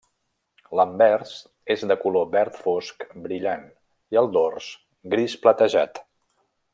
L'anvers és de color verd fosc brillant i el dors gris platejat.